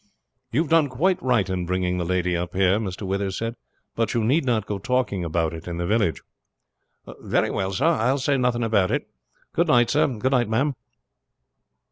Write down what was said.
"You have done quite right in bringing the lady up here," Mr. Withers said; "but you need not go talking about it in the village." "Very well, sir; I will say nothing about it. Good night, sir. Good night ma'am."